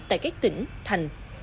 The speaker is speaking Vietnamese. tại các tỉnh thành